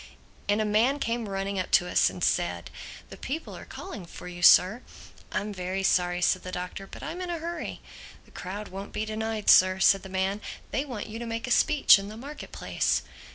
And a man came running up to us and said, "The people are calling for you, Sir." "I'm very sorry," said the Doctor, "but I'm in a hurry." "The crowd won't be denied, Sir," said the man. "They want you to make a speech in the market place."